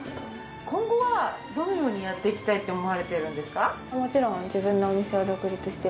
今後はどのようにやっていきたいって思われているんですか？